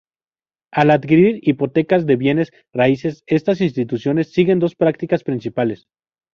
Al adquirir hipotecas de bienes raíces, estas instituciones siguen dos prácticas principales.